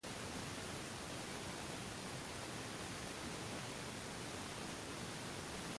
It was in a garden dedicated to the prophet's daughter, Fatimah.